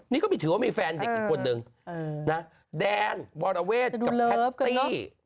นี้ก็ถือว่ามีแฟนเด็กอีกคนดึงดานวอลลอเวทกับแพทตี้